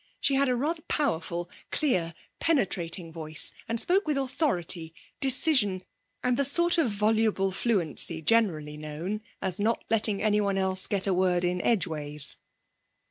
She had a rather powerful, clear, penetrating voice, and spoke with authority, decision, and the sort of voluble fluency generally known as not letting anyone else get a word in edgeways.